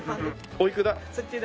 おいくら？